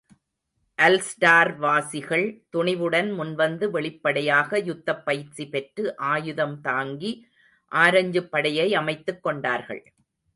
அல்ஸ்டார்வாசிகள் துணிவுடன் முன்வந்து வெளிப்படையாக யுத்தப் பயிற்சி பெற்று, ஆயுதம் தாங்கி, ஆரஞ்சுப்படையை அமைத்துக் கொண்டார்கள்.